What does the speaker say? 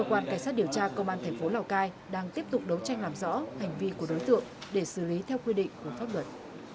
cơ quan cảnh sát điều tra công an thành phố lào cai đang tiếp tục đấu tranh làm rõ hành vi của đối tượng để xử lý theo quy định của pháp luật